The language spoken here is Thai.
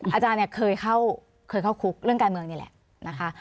อาจารย์เนี่ยเคยเข้าคุกเรื่องการเมืองนี่แหละนะคะ